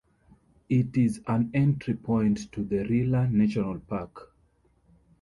It is an entry point to the Rila National Park.